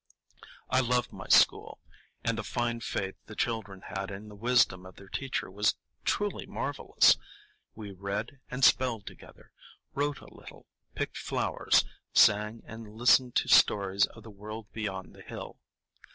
I loved my school, and the fine faith the children had in the wisdom of their teacher was truly marvellous. We read and spelled together, wrote a little, picked flowers, sang, and listened to stories of the world beyond the hill.